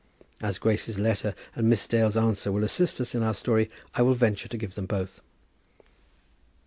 As Grace's letter and Miss Dale's answer will assist us in our story, I will venture to give them both.